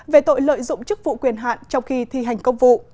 về tội lợi dụng chức vụ quyền hạn trong khi thi hành công vụ